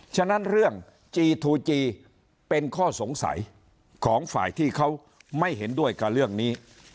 ฉะนั้นเรื่องจีทูจีเป็นข้อสงสัยของฝ่ายที่เขาไม่เห็นด้วยกับเรื่องนี้